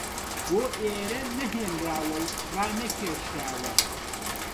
بۆ ئێرە نەهێنراوە و ڕانەکێشراوە